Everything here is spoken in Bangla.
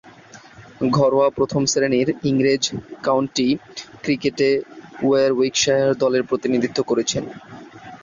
ঘরোয়া প্রথম-শ্রেণীর ইংরেজ কাউন্টি ক্রিকেটে ওয়ারউইকশায়ার দলের প্রতিনিধিত্ব করেছেন।